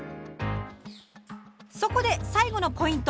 そこで最後のポイント。